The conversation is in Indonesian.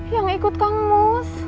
yang ikut kang mus